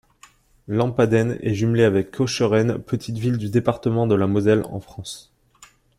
Lampaden est jumelée avec Cocheren petite ville du département de la Moselle en France.